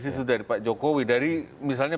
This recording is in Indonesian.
isu dari pak jokowi dari misalnya